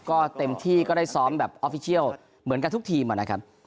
ก็เต็มที่ก็ได้ซ้อมแบบออฟฟิเชียลเหมือนกันทุกทีมนะครับ